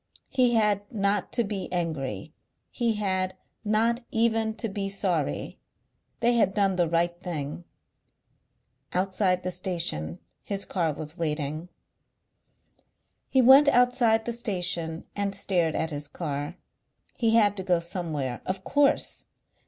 He had not to be angry, he had not even to be sorry. They had done the right thing. Outside the station his car was waiting. He went outside the station and stared at his car. He had to go somewhere. Of course!